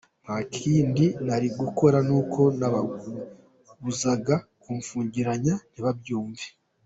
Nta kindi nari gukora kuko nababuzaga kumfungirana ntibabyumve”.